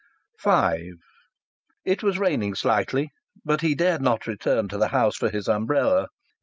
V It was raining slightly, but he dared not return to the house for his umbrella.